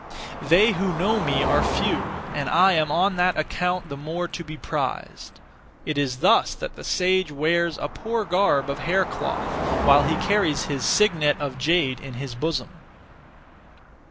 They who know me are few, and I am on that account (the more) to be prized. It is thus that the sage wears (a poor garb of) hair cloth, while he carries his (signet of) jade in his bosom.